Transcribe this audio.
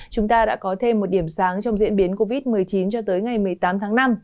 chúng ta đã có thêm một điểm sáng trong diễn biến covid một mươi chín cho tới ngày một mươi tám tháng năm